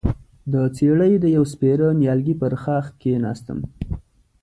د څېړۍ د يوه سپېره نيالګي پر ښاخ کېناستم،